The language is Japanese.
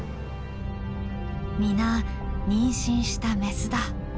皆妊娠したメスだ。